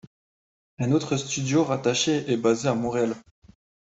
Un autre studio rattaché est basé à Montréal.